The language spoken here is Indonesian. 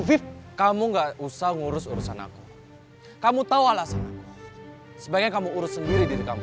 vip kamu nggak usah ngurus urusan aku kamu tahu alasan aku sebaiknya kamu urus sendiri diri kamu